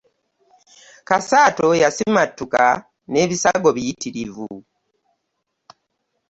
Kasaato yasimattuka n'ebisago biritirivu.